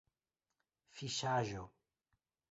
fiŝaĵo